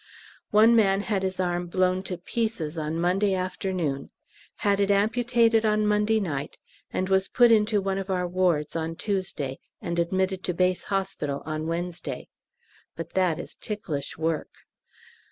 One man had his arm blown to pieces on Monday afternoon, had it amputated on Monday night, and was put into one of our wards on Tuesday, and admitted to Base Hospital on Wednesday. But that is ticklish work.